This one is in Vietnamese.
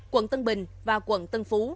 quận tân bình và quận tân phú